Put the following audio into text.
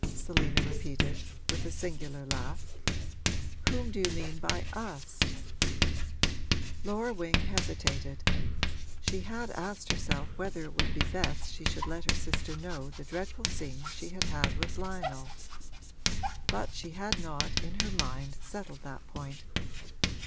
Selina repeated, with a singular laugh. 'Whom do you mean by us?' Laura Wing hesitated; she had asked herself whether it would be best she should let her sister know the dreadful scene she had had with Lionel; but she had not, in her mind, settled that point.